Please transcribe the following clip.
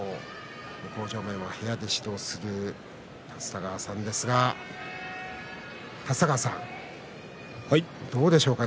向正面は部屋で指導する立田川さんですがどうでしょうか。